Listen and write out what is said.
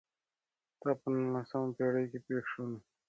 دا په نولسمه پېړۍ کې پېښ شول.